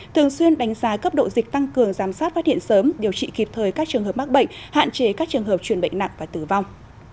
thường xuyên đánh giá cấp độ dịch tăng cường giám sát phát hiện sớm điều trị kịp thời các trường hợp mắc bệnh hạn chế các trường hợp chuyển bệnh nặng và tử vong